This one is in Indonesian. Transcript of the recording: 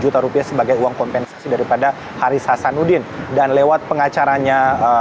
lima juta rupiah sebagai uang kompensasi daripada haris hasanuddin dan lewat pengacaranya